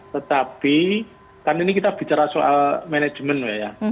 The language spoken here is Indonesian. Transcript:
tetapi kan ini kita bicara soal manajemen ya